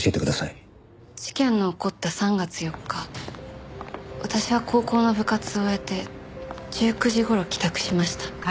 事件の起こった３月４日私は高校の部活を終えて１９時頃帰宅しました。